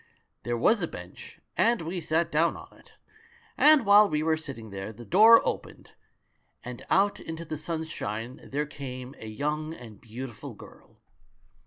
"There was a bench, and we sat down on it; and while we were sitting there, the door opened — and out into the sunshine there came a young and beautiful girl.